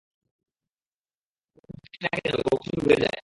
আর তুমি তো টিনাকে জানোই, ও কিছুটা ভুলে যায়।